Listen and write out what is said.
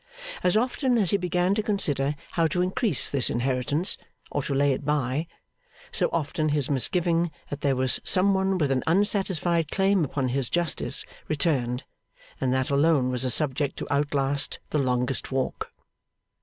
As often as he began to consider how to increase this inheritance, or to lay it by, so often his misgiving that there was some one with an unsatisfied claim upon his justice, returned; and that alone was a subject to outlast the longest walk.